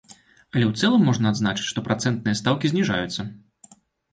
Але ў цэлым можна адзначыць, што працэнтныя стаўкі зніжаюцца.